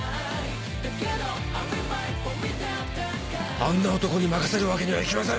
あんな男に任せるわけにはいきません！